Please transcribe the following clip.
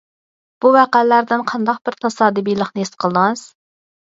بۇ ۋەقەلەردىن قانداق بىر تاسادىپىيلىقنى ھېس قىلدىڭىز؟